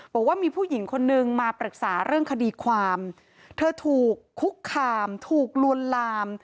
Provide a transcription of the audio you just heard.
บอกว่ามีผู้หญิงคนนึงมาปรึกษาเรื่องคดีความเธอถูกคุกคามถูกลวนลาม